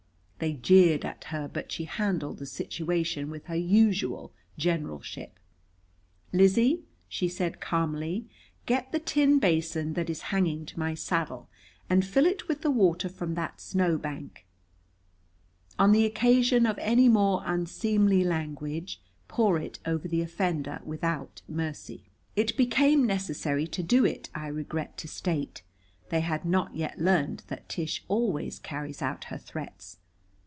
They jeered at her, but she handled the situation with her usual generalship. "Lizzie," she said calmly, "get the tin basin that is hanging to my saddle, and fill it with the water from that snowbank. On the occasion of any more unseemly language, pour it over the offender without mercy." It became necessary to do it, I regret to state. They had not yet learned that Tish always carries out her threats.